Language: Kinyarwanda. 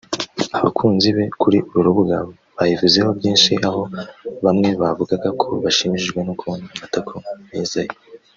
abakunzi be kuri uru rubuga bayivuzeho byinshi aho bamwe bavugaga ko bashimishijwe no kubona amatako meza ye